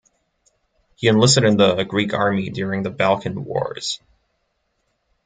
He enlisted in the Greek army during the Balkan Wars.